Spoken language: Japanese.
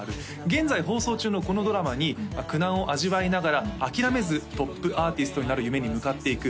現在放送中のこのドラマに苦難を味わいながら諦めずトップアーティストになる夢に向かっていく